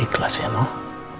ikhlas ya noh